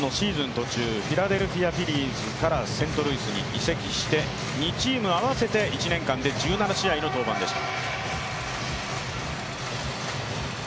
途中、フィラデルフィア・フィリーズからセントルイスに移籍して２チーム合わせて１年間で１７試合の登板でした。